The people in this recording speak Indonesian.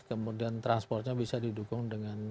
kemudian transportnya bisa didukung dengan